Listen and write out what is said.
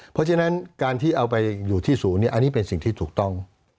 เพราะฉะนั้นการที่เอาไปอยู่ที่ศูนย์อันนี้เป็นสิ่งที่ถูกต้อง